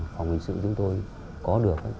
phòng hình sự chúng tôi có được